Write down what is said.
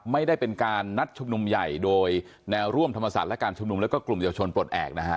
ไม่ได้เป็นการนัดชุมนุมใหญ่โดยแนวร่วมธรรมศาสตร์และการชุมนุมแล้วก็กลุ่มเยาวชนปลดแอบนะฮะ